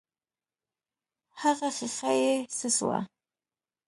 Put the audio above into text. هغه ښيښه يې څه سوه.